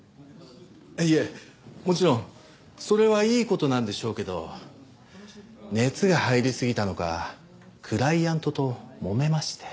いえもちろんそれはいい事なんでしょうけど熱が入りすぎたのかクライアントともめまして。